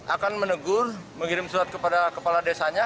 akan menegur mengirim surat kepada kepala desanya